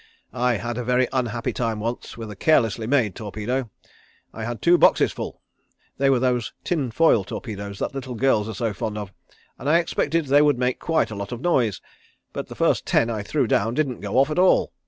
I had a very unhappy time once with a carelessly made torpedo. I had two boxes full. They were those tin foil torpedoes that little girls are so fond of, and I expected they would make quite a lot of noise, but the first ten I threw down didn't go off at all.